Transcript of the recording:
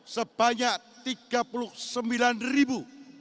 sebanyak tiga puluh sembilan ribu